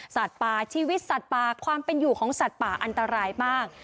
สัตว์ป่าชีวิตสัตว์ป่าความเป็นอยู่ของสัตว์ป่าอันตรายมาก